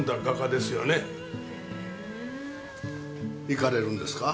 行かれるんですか？